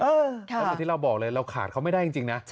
แล้วเหมือนที่เราบอกเลยเราขาดเขาไม่ได้จริงนะ